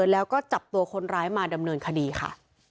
แล้วก็จับตัวคนร้ายมาดำเนินคดีค่ะ